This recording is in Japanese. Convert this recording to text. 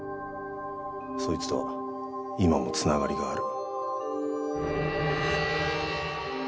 そいつとは今もつながりがある。